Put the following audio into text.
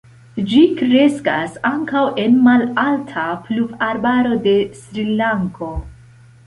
Ĝi kreskas ankaŭ en malalta pluvarbaro de Srilanko.